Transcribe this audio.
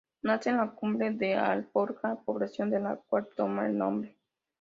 Nace en la cumbre de Alforja, población de la cual toma el nombre.